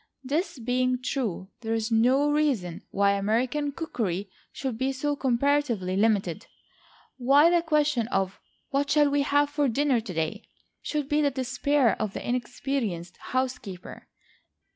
This being true, there is no reason why American cookery should be so comparatively limited why the question of "what shall we have for dinner to day?" should be the despair of the inexperienced housekeeper.